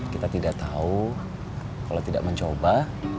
kita tidak tahu kalau tidak mencoba